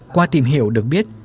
qua tìm hiểu được biết